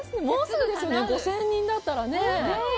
もうすぐですよね、５０００人だったらね。